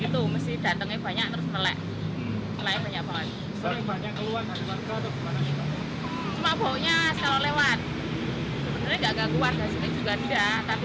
sebenarnya nggak gangguan di sini juga tidak tapi cuma baunya aja